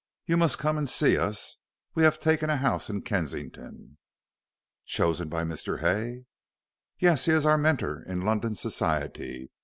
You must come and see us. We have taken a house in Kensington." "Chosen by Mr. Hay?" "Yes! He is our mentor in London Society.